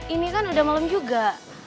ini kan udah malam juga